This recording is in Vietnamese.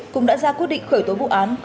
cũng đã ra quyết định khởi tố vụ án